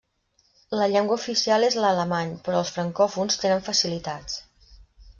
La llengua oficial és l'alemany, però els francòfons tenen facilitats.